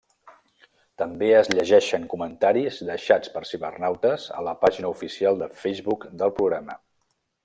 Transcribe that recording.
També es llegeixen comentaris deixats per cibernautes a la pàgina oficial de Facebook del programa.